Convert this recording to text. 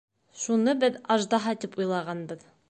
Шуны беҙ аждаһа тип уйлағанбыҙ.